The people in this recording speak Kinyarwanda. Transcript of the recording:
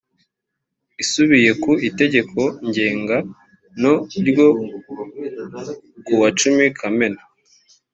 isubiye ku itegeko ngenga no ryo kuwacumi kamena